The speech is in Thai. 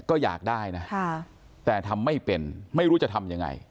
ก็อยากได้นะแต่ทำไม่เป็นไม่รู้จะทำยังไง